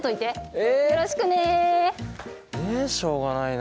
ええしょうがないな。